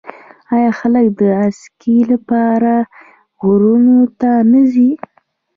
آیا خلک د اسکی لپاره غرونو ته نه ځي؟